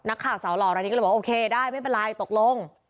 นักข่าวสาวหล่อรายนี้ก็เลยบอกโอเคได้ไม่เป็นไรตกลง